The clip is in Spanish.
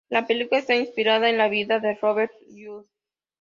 La película está inspirada en la vida de Robert Durst.